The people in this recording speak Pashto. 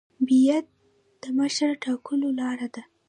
بیعت د مشر ټاکلو لار ده